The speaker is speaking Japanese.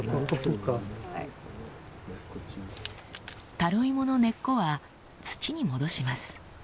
タロイモの根っこは土に戻します。